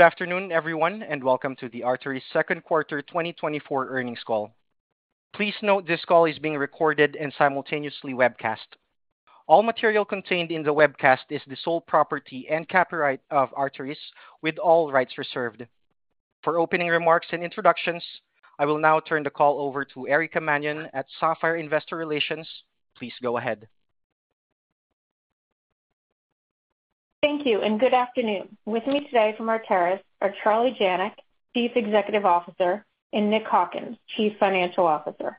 Good afternoon, everyone, and welcome to the Arteris second quarter 2024 earnings call. Please note this call is being recorded and simultaneously webcast. All material contained in the webcast is the sole property and copyright of Arteris, with all rights reserved. For opening remarks and introductions, I will now turn the call over to Erica Mannion at Sapphire Investor Relations. Please go ahead. Thank you, and good afternoon. With me today from Arteris are Charlie Janac, Chief Executive Officer, and Nick Hawkins, Chief Financial Officer.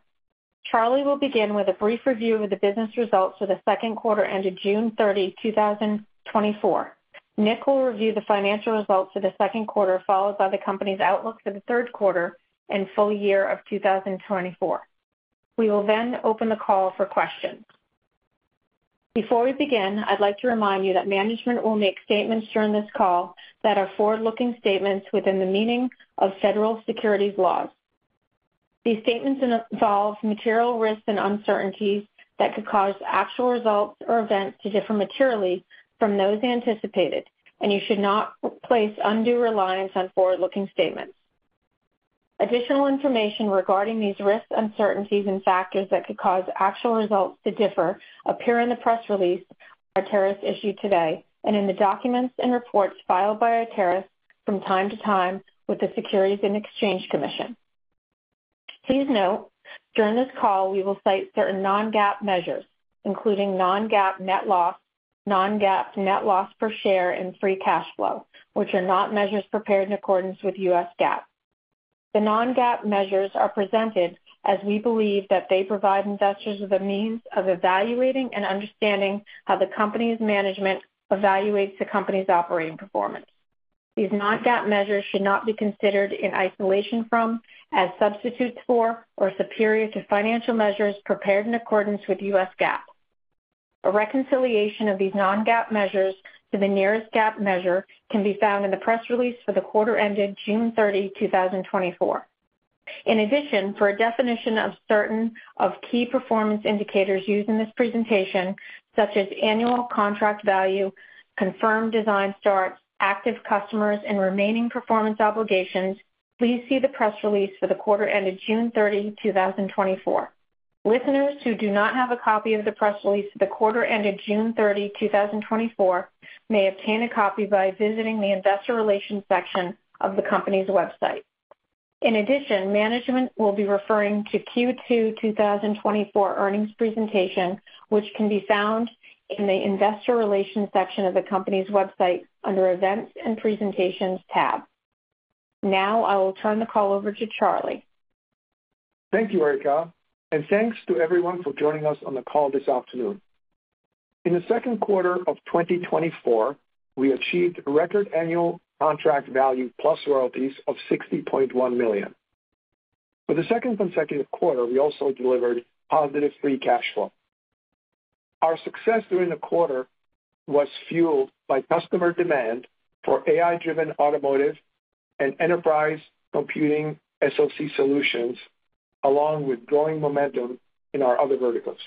Charlie will begin with a brief review of the business results for the second quarter ended June 30, 2024. Nick will review the financial results for the second quarter, followed by the company's outlook for the third quarter and full year of 2024. We will then open the call for questions. Before we begin, I'd like to remind you that management will make statements during this call that are forward-looking statements within the meaning of federal securities laws. These statements involve material risks and uncertainties that could cause actual results or events to differ materially from those anticipated, and you should not place undue reliance on forward-looking statements. Additional information regarding these risks, uncertainties, and factors that could cause actual results to differ appear in the press release Arteris issued today, and in the documents and reports filed by Arteris from time to time with the Securities and Exchange Commission. Please note, during this call, we will cite certain non-GAAP measures, including non-GAAP net loss, non-GAAP net loss per share, and free cash flow, which are not measures prepared in accordance with U.S. GAAP. The non-GAAP measures are presented as we believe that they provide investors with a means of evaluating and understanding how the company's management evaluates the company's operating performance. These non-GAAP measures should not be considered in isolation from, as substitutes for, or superior to financial measures prepared in accordance with U.S. GAAP. A reconciliation of these non-GAAP measures to the nearest GAAP measure can be found in the press release for the quarter ended June 30, 2024. In addition, for a definition of certain of key performance indicators used in this presentation, such as annual contract value, confirmed design starts, active customers, and remaining performance obligations, please see the press release for the quarter ended June 30, 2024. Listeners who do not have a copy of the press release for the quarter ended June 30, 2024, may obtain a copy by visiting the investor relations section of the company's website. In addition, management will be referring to Q2 2024 earnings presentation, which can be found in the investor relations section of the company's website under Events and Presentations tab. Now, I will turn the call over to Charlie. Thank you, Erica, and thanks to everyone for joining us on the call this afternoon. In the second quarter of 2024, we achieved a record annual contract value plus royalties of $60.1 million. For the second consecutive quarter, we also delivered positive free cash flow. Our success during the quarter was fueled by customer demand for AI-driven automotive and enterprise computing SoC solutions, along with growing momentum in our other verticals.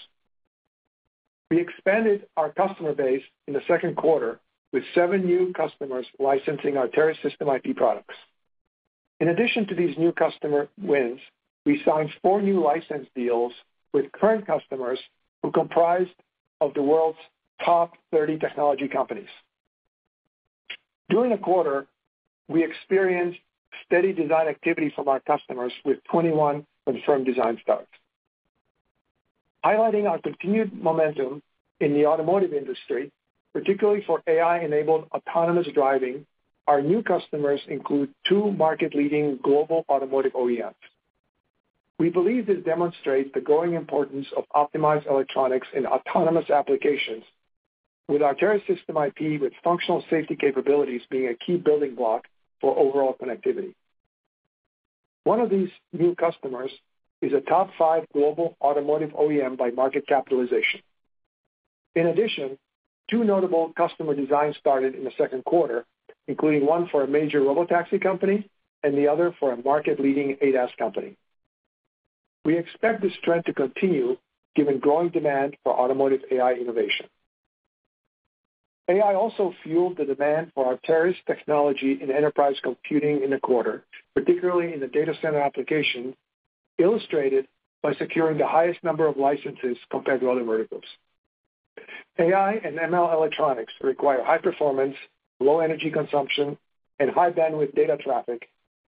We expanded our customer base in the second quarter with seven new customers licensing our Arteris System IP products. In addition to these new customer wins, we signed four new license deals with current customers who comprised of the world's top 30 technology companies. During the quarter, we experienced steady design activity from our customers with 21 confirmed design starts. Highlighting our continued momentum in the automotive industry, particularly for AI-enabled autonomous driving, our new customers include two market-leading global automotive OEMs. We believe this demonstrates the growing importance of optimized electronics in autonomous applications, with Arteris System IP, with functional safety capabilities being a key building block for overall connectivity. One of these new customers is a top five global automotive OEM by market capitalization. In addition, two notable customer designs started in the second quarter, including one for a major robotaxi company and the other for a market-leading ADAS company. We expect this trend to continue given growing demand for automotive AI innovation. AI also fueled the demand for Arteris technology in enterprise computing in the quarter, particularly in the data center application, illustrated by securing the highest number of licenses compared to other verticals. AI and ML electronics require high performance, low energy consumption, and high bandwidth data traffic,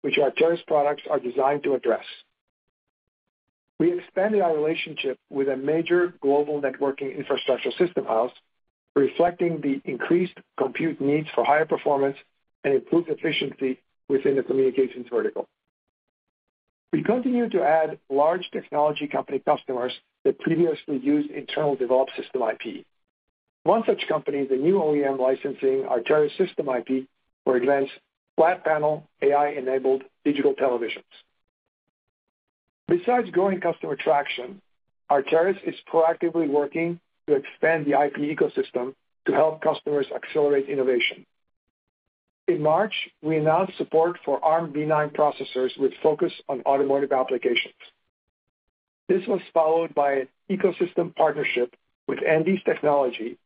which Arteris products are designed to address. We expanded our relationship with a major global networking infrastructure system house, reflecting the increased compute needs for higher performance and improved efficiency within the communications vertical. We continue to add large technology company customers that previously used internal developed system IP. One such company is a new OEM licensing Arteris System IP for advanced flat panel, AI-enabled digital televisions. Besides growing customer traction, Arteris is proactively working to expand the IP ecosystem to help customers accelerate innovation. In March, we announced support for Armv9 processors with focus on automotive application. This was followed by an ecosystem partnership with Andes Technology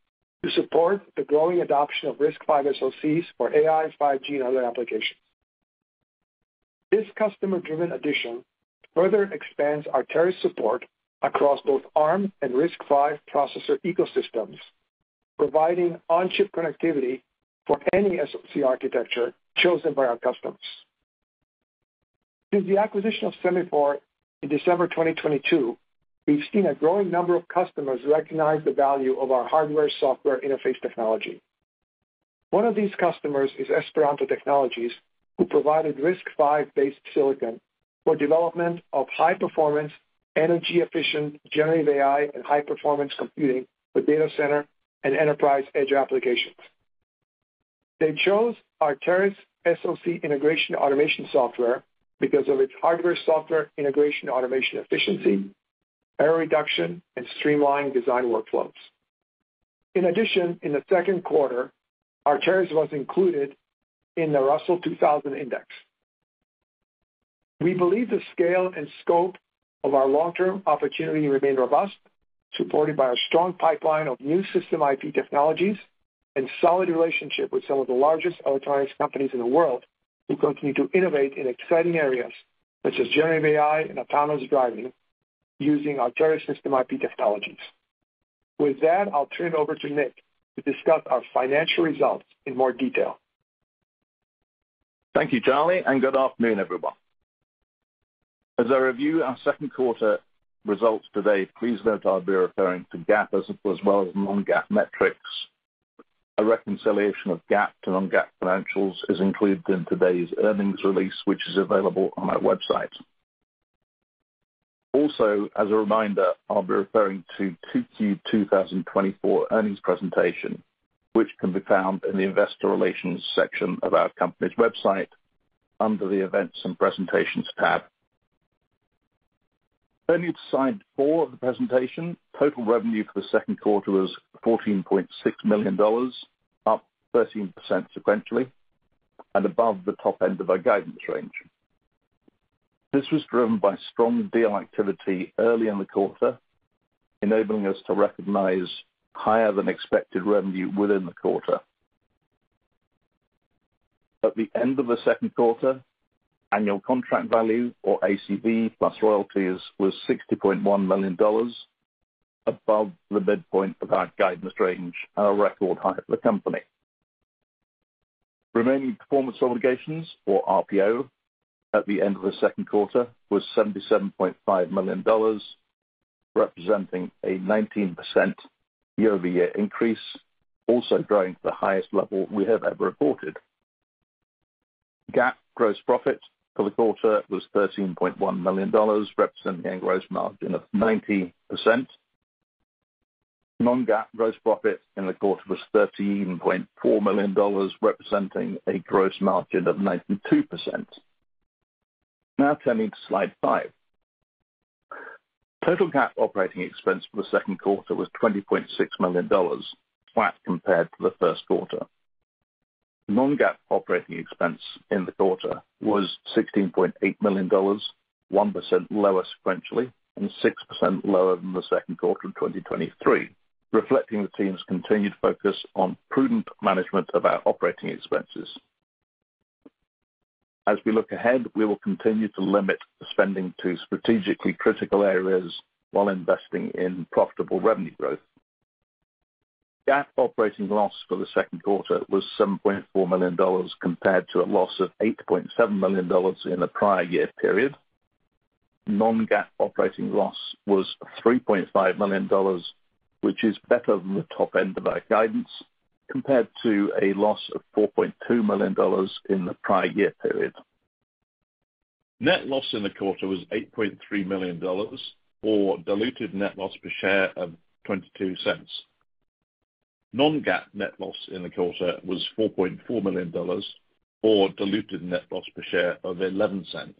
to support the growing adoption of RISC-V SoCs for AI, 5G, and other applications. This customer-driven addition further expands Arteris support across both Arm and RISC-V processor ecosystems, providing on-chip connectivity for any SoC architecture chosen by our customers. Since the acquisition of Semifore in December 2022, we've seen a growing number of customers recognize the value of our hardware software interface technology. One of these customers is Esperanto Technologies, who provided RISC-V based silicon for development of high performance, energy efficient, generative AI, and high performance computing for data center and enterprise edge applications. They chose Arteris SoC integration automation software because of its hardware software integration, automation efficiency, error reduction, and streamlined design workflows. In addition, in the second quarter, Arteris was included in the Russell 2000 Index. We believe the scale and scope of our long-term opportunity remain robust, supported by our strong pipeline of new System IP technologies and solid relationship with some of the largest electronics companies in the world, who continue to innovate in exciting areas such as generative AI and autonomous driving, using Arteris System IP technologies. With that, I'll turn it over to Nick to discuss our financial results in more detail. Thank you, Charlie, and good afternoon, everyone. As I review our second quarter results today, please note I'll be referring to GAAP as well as non-GAAP metrics. A reconciliation of GAAP to non-GAAP financials is included in today's earnings release, which is available on our website. Also, as a reminder, I'll be referring to Q2 2024 earnings presentation, which can be found in the investor relations section of our company's website under the Events and Presentations tab. Turning to slide four of the presentation, total revenue for the second quarter was $14.6 million, up 13% sequentially, and above the top end of our guidance range. This was driven by strong deal activity early in the quarter, enabling us to recognize higher than expected revenue within the quarter. At the end of the second quarter, annual contract value or ACV, plus royalties, was $60.1 million above the midpoint of our guidance range at a record high for the company. Remaining performance obligations, or RPO, at the end of the second quarter, was $77.5 million, representing a 19% year-over-year increase, also growing to the highest level we have ever reported. GAAP gross profit for the quarter was $13.1 million, representing a gross margin of 90%. Non-GAAP gross profit in the quarter was $13.4 million, representing a gross margin of 92%. Now turning to slide five. Total GAAP operating expense for the second quarter was $20.6 million, flat compared to the first quarter. Non-GAAP operating expense in the quarter was $16.8 million, 1% lower sequentially, and 6% lower than the second quarter of 2023, reflecting the team's continued focus on prudent management of our operating expenses. As we look ahead, we will continue to limit the spending to strategically critical areas while investing in profitable revenue growth. GAAP operating loss for the second quarter was $7.4 million, compared to a loss of $8.7 million in the prior year period. Non-GAAP operating loss was $3.5 million, which is better than the top end of our guidance, compared to a loss of $4.2 million in the prior year period. Net loss in the quarter was $8.3 million, or diluted net loss per share of $0.22. Non-GAAP net loss in the quarter was $4.4 million, or diluted net loss per share of $0.11,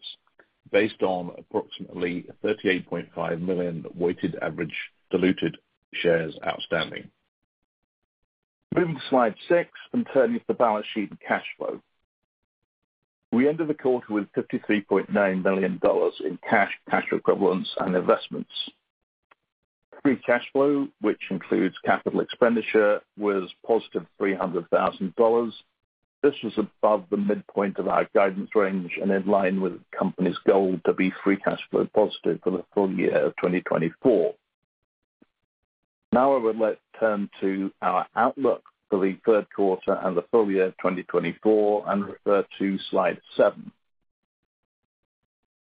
based on approximately 38.5 million weighted average diluted shares outstanding. Moving to slide six, and turning to the balance sheet and cash flow. We ended the quarter with $53.9 million in cash, cash equivalents, and investments. Free cash flow, which includes capital expenditure, was +$300,000. This was above the midpoint of our guidance range and in line with the company's goal to be free cash flow positive for the full year of 2024. Now I would like to turn to our outlook for the third quarter and the full year of 2024 and refer to slide seven.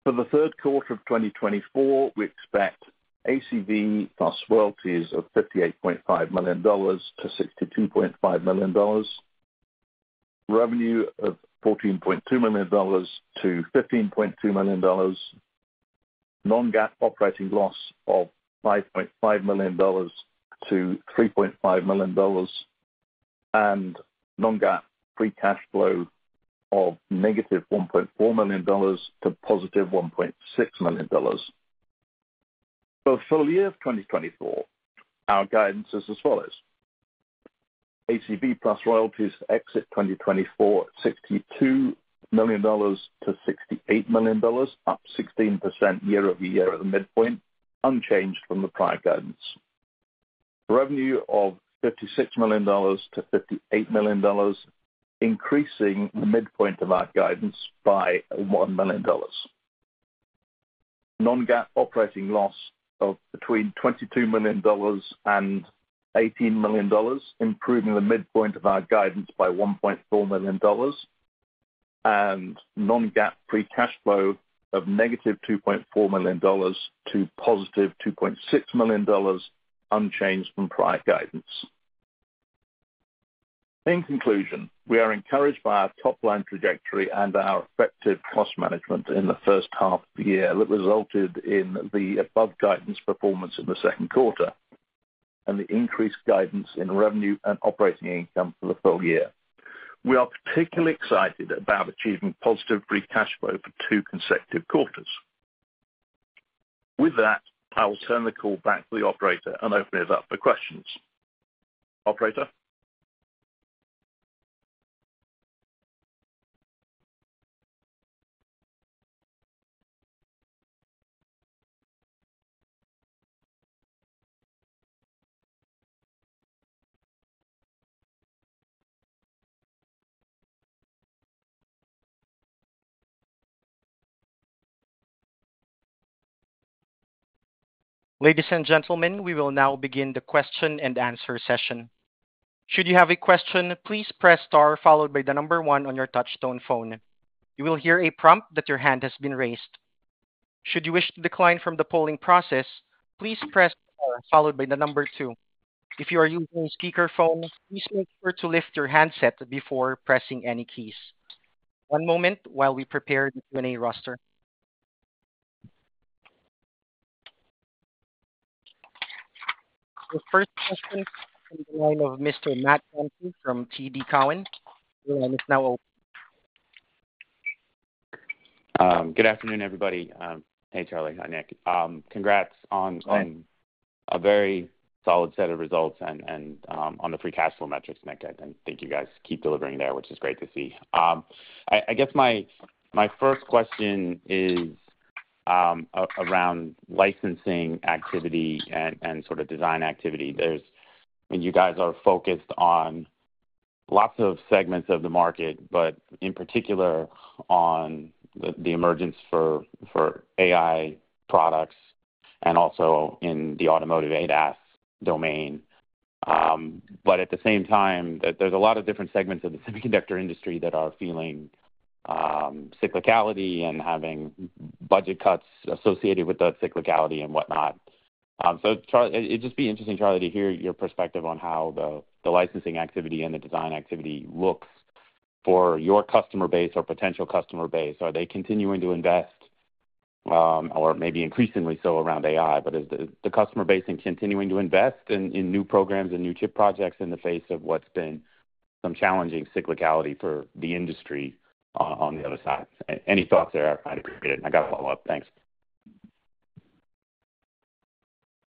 For the third quarter of 2024, we expect ACV plus royalties of $58.5 million-$62.5 million, revenue of $14.2 million-$15.2 million, non-GAAP operating loss of $5.5 million-$3.5 million, and non-GAAP free cash flow of -$1.4 million to +$1.6 million. For the full year of 2024, our guidance is as follows. ACV plus royalties exit 2024 at $62 million-$68 million, up 16% year-over-year at the midpoint, unchanged from the prior guidance. Revenue of $56 million-$58 million, increasing the midpoint of our guidance by $1 million. Non-GAAP operating loss of between $22 million and $18 million, improving the midpoint of our guidance by $1.4 million, and non-GAAP free cash flow of -$2.4 million to +$2.6 million, unchanged from prior guidance. In conclusion, we are encouraged by our top line trajectory and our effective cost management in the first half of the year that resulted in the above guidance performance in the second quarter and the increased guidance in revenue and operating income for the full year. We are particularly excited about achieving positive free cash flow for two consecutive quarters. With that, I will turn the call back to the operator and open it up for questions. Operator? Ladies and gentlemen, we will now begin the question and answer session. Should you have a question, please press star followed by the number one on your touch-tone phone. You will hear a prompt that your hand has been raised. Should you wish to decline from the polling process, please press star followed by the number two. If you are using speakerphone, please make sure to lift your handset before pressing any keys. One moment while we prepare the Q&A roster. The first question from the line of Mr. Matt Ramsay from TD Cowen. Your line is now open. Good afternoon, everybody. Hey, Charlie. Hi, Nick. Congrats on. Hi. On a very solid set of results on the free cash flow metrics, Nick, I think you guys keep delivering there, which is great to see. I guess my first question is around licensing activity and sort of design activity. There's and you guys are focused on lots of segments of the market, but in particular on the emergence for AI products and also in the automotive ADAS domain. But at the same time, there's a lot of different segments of the semiconductor industry that are feeling cyclicality and having budget cuts associated with that cyclicality and whatnot. So it'd just be interesting, Charlie, to hear your perspective on how the licensing activity and the design activity looks for your customer base or potential customer base. Are they continuing to invest, or maybe increasingly so around AI, but is the, the customer base in continuing to invest in, in new programs and new chip projects in the face of what's been some challenging cyclicality for the industry, on the other side? Any thoughts there, I'd appreciate it, and I got a follow-up. Thanks.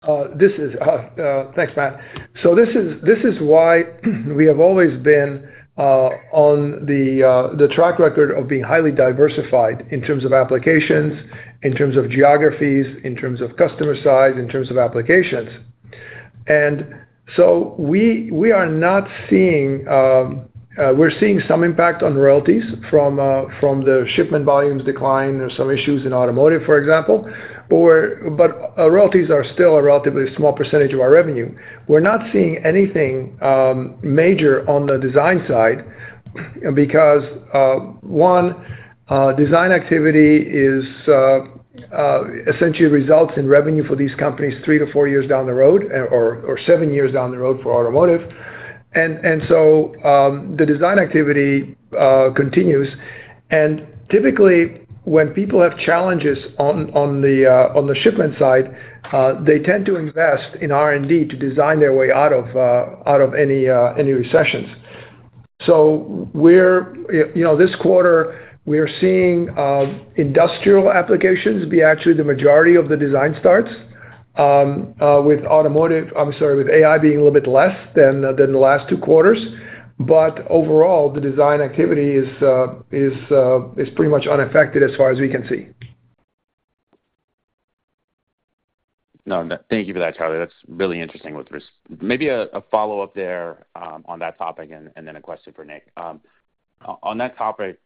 Thanks, Matt. So this is why we have always been on the track record of being highly diversified in terms of applications, in terms of geographies, in terms of customer size, in terms of applications. So we are not seeing, we're seeing some impact on royalties from the shipment volumes decline. There's some issues in automotive, for example, but royalties are still a relatively small percentage of our revenue. We're not seeing anything major on the design side because design activity essentially results in revenue for these companies three to four years down the road, or seven years down the road for automotive. So the design activity continues. Typically, when people have challenges on the shipment side, they tend to invest in R&D to design their way out of any recessions. So we're, you know, this quarter, we are seeing industrial applications be actually the majority of the design starts, with automotive, I'm sorry, with AI being a little bit less than the last two quarters. But overall, the design activity is pretty much unaffected as far as we can see. No, thank you for that, Charlie. That's really interesting. Maybe a follow-up there on that topic and then a question for Nick. On that topic,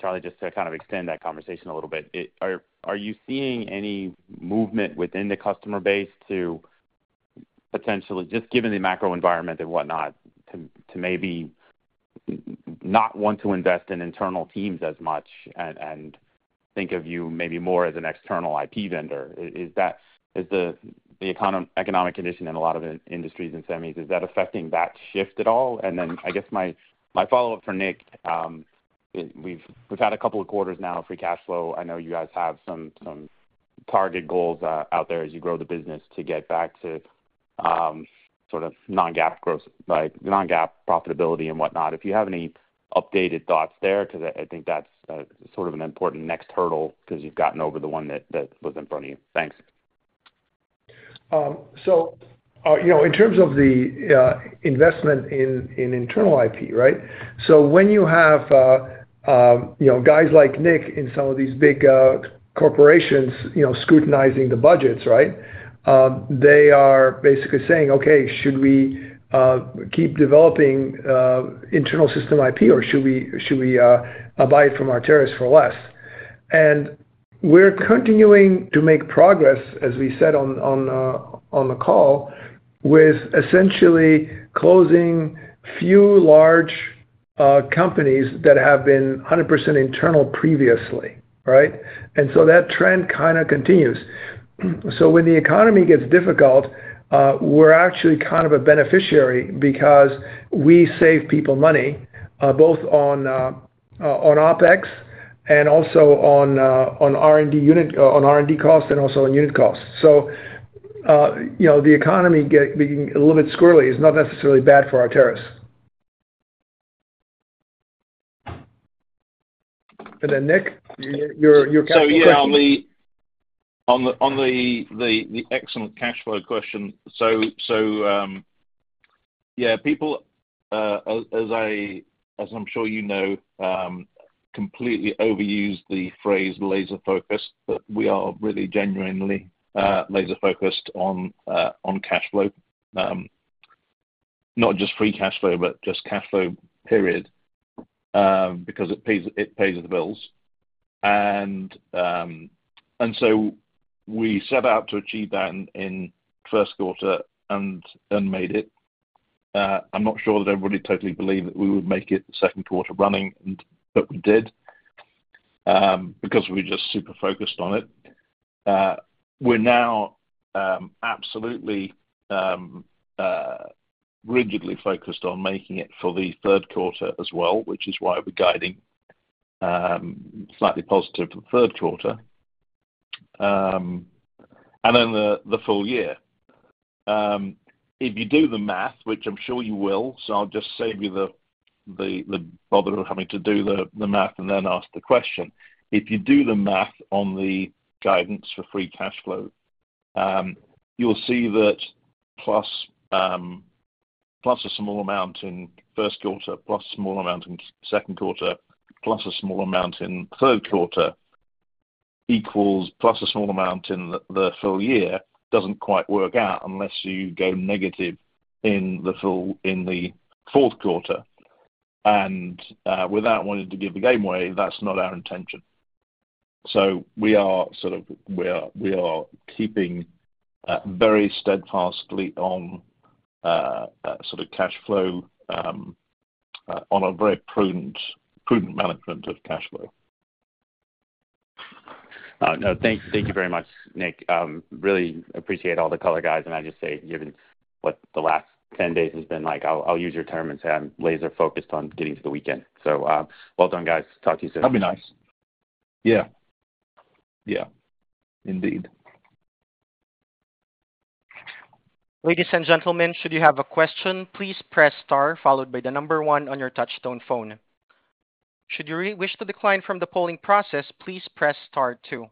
Charlie, just to kind of extend that conversation a little bit, are you seeing any movement within the customer base to potentially, just given the macro environment and whatnot, to maybe not want to invest in internal teams as much and think of you maybe more as an external IP vendor? Is that the economic condition in a lot of industries and semis, is that affecting that shift at all? And then I guess my follow-up for Nick, we've had a couple of quarters now, free cash flow. I know you guys have some target goals out there as you grow the business to get back to sort of non-GAAP growth, like non-GAAP profitability and whatnot. If you have any updated thoughts there, because I think that's sort of an important next hurdle, because you've gotten over the one that was in front of you. Thanks. So, you know, in terms of the investment in internal IP, right? So when you have guys like Nick in some of these big corporations, you know, scrutinizing the budgets, right? They are basically saying, "Okay, should we keep developing internal system IP, or should we buy it from Arteris for less?" And we're continuing to make progress, as we said on the call, with essentially closing few large companies that have been 100% internal previously, right? And so that trend kind of continues. So when the economy gets difficult, we're actually kind of a beneficiary because we save people money, both on OpEx and also on R&D costs and also on unit costs. So, you know, the economy being a little bit squirrely is not necessarily bad for Arteris. And then, Nick, your, your cash flow question? So, yeah, on the excellent cash flow question. So, yeah, people, as I'm sure you know, completely overuse the phrase laser focused, but we are really genuinely laser focused on cash flow. Not just free cash flow, but just cash flow, period, because it pays the bills. And so we set out to achieve that in first quarter and made it. I'm not sure that everybody totally believed that we would make it the second quarter running, but we did, because we're just super focused on it. We're now absolutely rigidly focused on making it for the third quarter as well, which is why we're guiding slightly positive for the third quarter, and then the full year. If you do the math, which I'm sure you will, so I'll just save you the bother of having to do the math and then ask the question. If you do the math on the guidance for free cash flow, you'll see that plus, plus a small amount in first quarter, plus a small amount in second quarter, plus a small amount in third quarter, equals plus a small amount in the full year, doesn't quite work out unless you go negative in the fourth quarter. And, without wanting to give the game away, that's not our intention. So we are sort of, we are keeping very steadfastly on sort of cash flow on a very prudent management of cash flow. No, thank you very much, Nick. Really appreciate all the color, guys. And I just say, given what the last 10 days has been like, I'll use your term and say I'm laser focused on getting to the weekend. So, well done, guys. Talk to you soon. That'd be nice. Yeah. Yeah, indeed. Ladies and gentlemen, should you have a question, please press star followed by the number one on your touchtone phone. Should you wish to decline from the polling process, please press star two.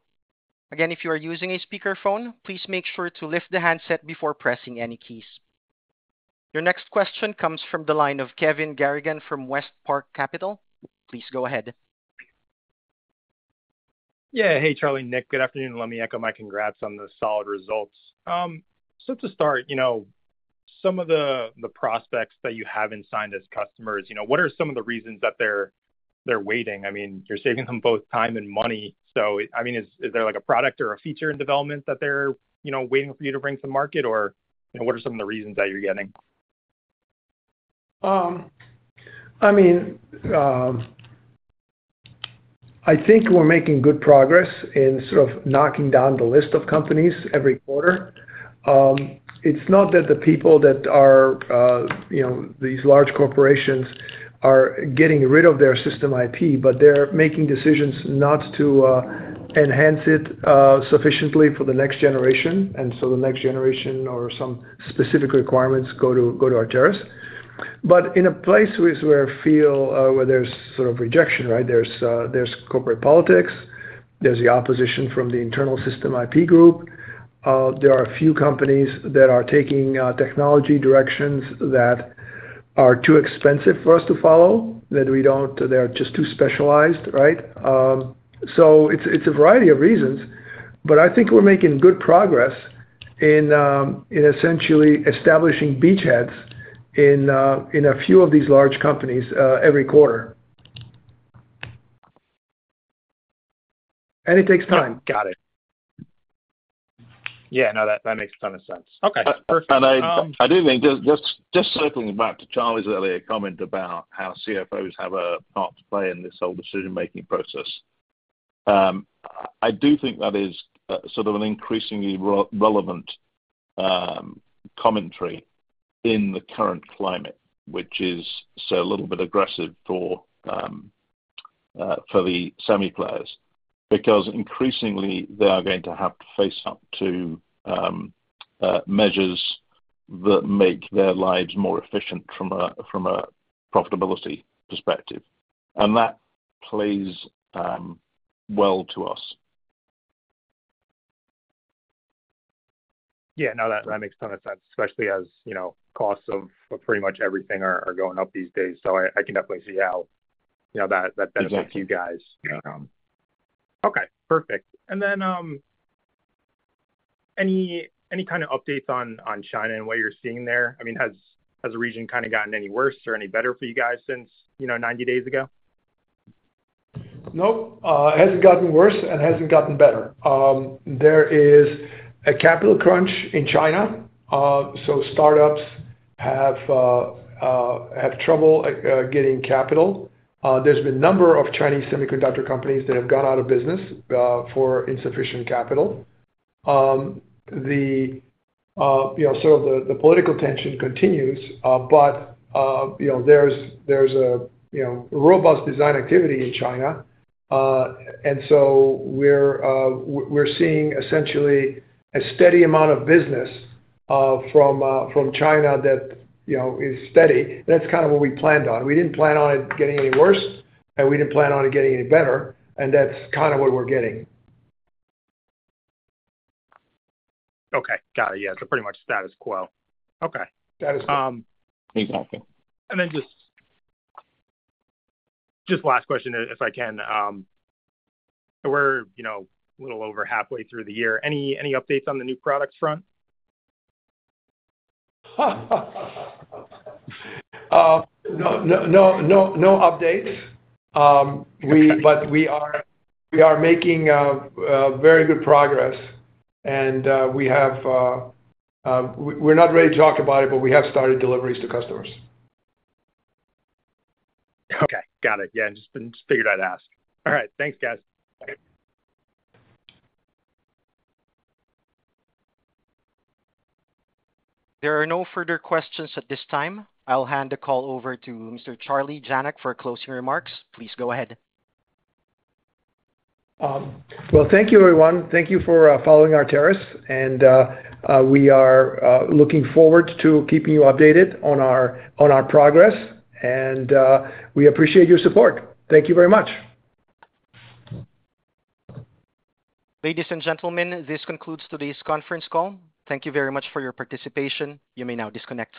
Again, if you are using a speakerphone, please make sure to lift the handset before pressing any keys. Your next question comes from the line of Kevin Garrigan from WestPark Capital. Please go ahead. Yeah. Hey, Charlie, Nick, good afternoon. Let me echo my congrats on the solid results. So to start, you know, some of the prospects that you haven't signed as customers, you know, what are some of the reasons that they're waiting? I mean, you're saving them both time and money. So, I mean, is there like a product or a feature in development that they're, you know, waiting for you to bring to the market? Or, you know, what are some of the reasons that you're getting? I mean, I think we're making good progress in sort of knocking down the list of companies every quarter. It's not that the people that are, you know, these large corporations are getting rid of their system IP, but they're making decisions not to enhance it sufficiently for the next generation, and so the next generation or some specific requirements go to Arteris. But in a place where we feel where there's sort of rejection, right? There's corporate politics, there's the opposition from the internal system IP group. There are a few companies that are taking technology directions that are too expensive for us to follow, that we don't, they're just too specialized, right? So it's a variety of reasons, but I think we're making good progress in essentially establishing beachheads in a few of these large companies every quarter. And it takes time. Got it. Yeah, no, that, that makes a ton of sense. Okay, perfect. I do think just circling back to Charlie's earlier comment about how CFOs have a part to play in this whole decision-making process. I do think that is sort of an increasingly relevant commentary in the current climate, which is so a little bit aggressive for the semi players. Because increasingly they are going to have to face up to measures that make their lives more efficient from a profitability perspective. And that plays, well to us. Yeah, no, that makes a ton of sense, especially as, you know, costs of pretty much everything are going up these days. So I can definitely see how, you know, that benefits you guys. Exactly. Yeah. Okay, perfect. And then, any kind of updates on China and what you're seeing there? I mean, has the region kind of gotten any worse or any better for you guys since, you know, 90 days ago? Nope. It hasn't gotten worse and hasn't gotten better. There is a capital crunch in China. So startups have trouble getting capital. There's been a number of Chinese semiconductor companies that have gone out of business for insufficient capital. You know, so the political tension continues, but you know, there's a robust design activity in China. And so we're seeing essentially a steady amount of business from China that you know is steady. That's kind of what we planned on. We didn't plan on it getting any worse, and we didn't plan on it getting any better, and that's kind of what we're getting. Okay. Got it. Yeah, so pretty much status quo. Okay. Status quo. Exactly. Then just the last question, if I can. We're, you know, a little over halfway through the year. Any updates on the new product front? No, no, no, no, no updates. We. Okay. But we are making very good progress, and we're not ready to talk about it, but we have started deliveries to customers. Okay, got it. Yeah, just figured I'd ask. All right, thanks, guys. Bye. There are no further questions at this time. I'll hand the call over to Mr. Charlie Janac for closing remarks. Please go ahead. Well, thank you, everyone. Thank you for following Arteris, and we are looking forward to keeping you updated on our progress, and we appreciate your support. Thank you very much. Ladies and gentlemen, this concludes today's conference call. Thank you very much for your participation. You may now disconnect your line.